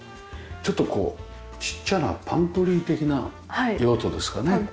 ちょっとこうちっちゃなパントリー的な用途ですかね？